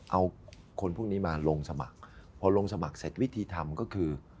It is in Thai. เอาคนพวกนี้มาลงสมัครพอลงสมัครเสร็จวิธีทำก็คือ